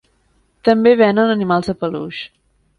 També venen animals de peluix.